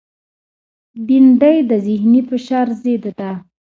بېنډۍ د ذهنی فشار ضد ده